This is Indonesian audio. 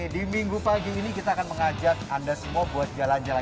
di minggu pagi ini kita akan mengajak anda semua buat jalan jalan